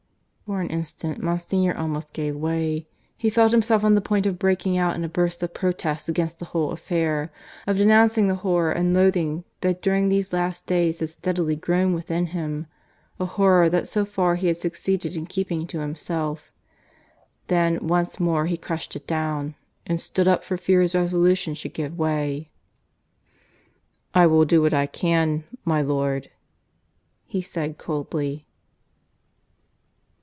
For an instant Monsignor almost gave way. He felt himself on the point of breaking out into a burst of protest against the whole affair of denouncing the horror and loathing that during these last days had steadily grown within him a horror that so far he had succeeded in keeping to himself. Then once more he crushed it down, and stood up for fear his resolution should give way. "I will do what I can, my lord," he said coldly.